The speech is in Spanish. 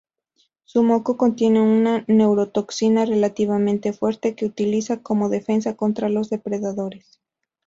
Su moco contiene una neurotoxina relativamente fuerte que utiliza como defensa contra los depredadores.